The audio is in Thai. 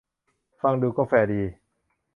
ฟังดูก็แฟร์ดี